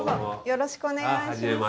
よろしくお願いします。